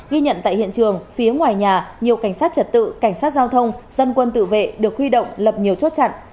ghi nhận tại hiện trường phía ngoài nhà nhiều cảnh sát trật tự cảnh sát giao thông dân quân tự vệ được huy động lập nhiều chốt chặn